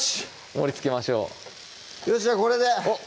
盛りつけましょうよしじゃあこれでおっ！